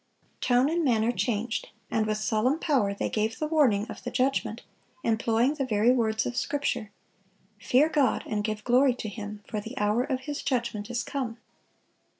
Tone and manner changed, and with solemn power they gave the warning of the judgment, employing the very words of Scripture, "Fear God, and give glory to Him; for the hour of His judgment is come."